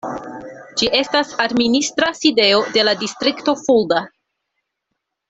Ĝi estas administra sidejo de la distrikto Fulda.